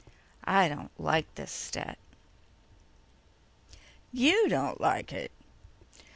"I don't like this, Stet." "YOU don't like it!"